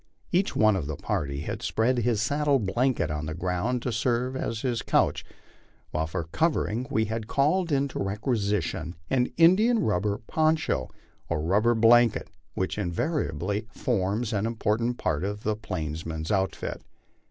Each one of the party had spread his saddle blanket on the ground to serve as his couch, while for covering we had called into requisition the india rubber poncho or rubber blanket which invariably forms an important part of the plainsman's outfit.